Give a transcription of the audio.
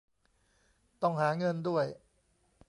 ต้องหาเงินด้วย